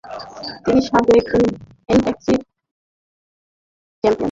তিনি সাবেক NXT champion, NXT North American champion, এবং এনএক্সটি ট্যাগ টিম চ্যাম্পিয়ন।